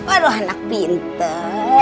aduh anak pinter